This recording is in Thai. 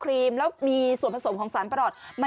กินให้ดูเลยค่ะว่ามันปลอดภัย